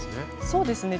そうですね。